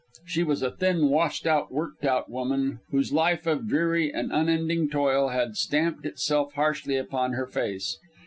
She was a thin, washed out, worked out woman, whose life of dreary and unending toil had stamped itself harshly upon her face.